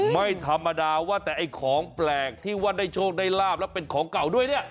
ไม่ธรรมดาว่าแต่ไอ้ของแปลกที่ว่าได้โชคได้ลาบแล้วเป็นของเก่าด้วยเนี่ย